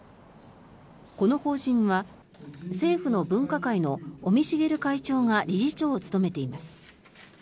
この法人は政府の分科会の尾身茂会長が理事長を務めています。